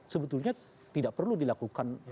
sebetulnya tidak perlu dilakukan